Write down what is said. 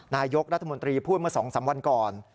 นายกรัฐมนตรีพูดเมื่อ๒๓วันก่อน